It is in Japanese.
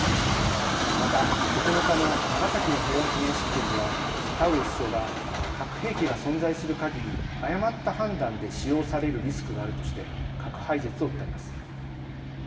また、９日の長崎の平和祈念式典では田上市長が「核兵器が存在するかぎり誤った判断で使用されるリスクがある」として、核廃絶を訴えます。